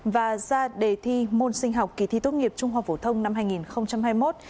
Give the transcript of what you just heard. và ra đề thi môn sinh học kỳ thi tốt nghiệp trung học phổ thông năm hai nghìn hai mươi một